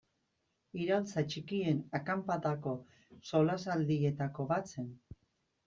Iraultza Txikien Akanpadako solasaldietako bat zen.